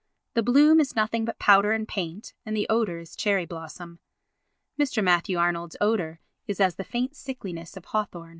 The bloom is nothing but powder and paint and the odour is cherry blossom. Mr. Matthew Arnold's odour is as the faint sickliness of hawthorn.